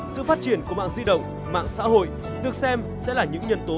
sự phát triển của mạng di động mạng xã hội được xem sẽ là những nhân tố